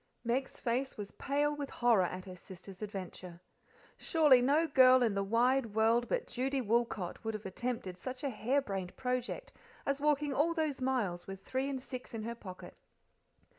Meg's face was pale with horror at her sister's adventure. Surely no girl in the wide world but Judy Woolcot would have attempted such a harebrained project as walking all those miles with three and six in her pocket.